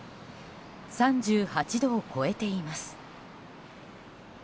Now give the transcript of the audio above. ３８度を超えています。